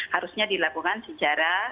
harusnya dilakukan secara